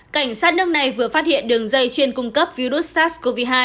cảnh sát nước này vừa phát hiện đường dây chuyên cung cấp virus sars cov hai